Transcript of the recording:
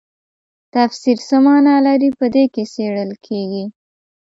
تفسیر څه مانا لري په دې کې څیړل کیږي.